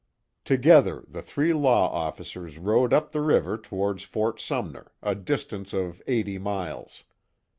Together the three law officers rode up the river towards Fort Sumner, a distance of eighty miles.